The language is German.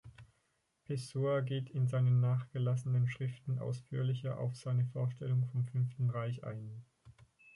Pessoa geht in seinen nachgelassenen Schriften ausführlicher auf seine Vorstellung vom "Fünften Reich" ein.